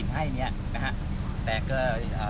ไม่ใช่นี่คือบ้านของคนที่เคยดื่มอยู่หรือเปล่า